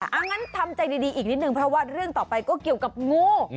เอางั้นทำใจดีอีกนิดนึงเพราะว่าเรื่องต่อไปก็เกี่ยวกับงู